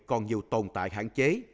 còn nhiều tồn tại hạn chế